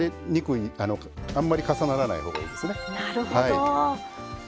あんまり重ならないほうがいいですね。